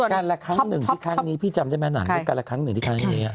การละครั้งหนึ่งที่ครั้งนี้พี่จำได้ไหมหนังด้วยกันละครั้งหนึ่งที่ครั้งนี้